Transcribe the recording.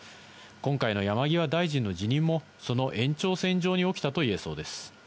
今回の山際大臣の辞任も、その延長線上に起きたといえそうです。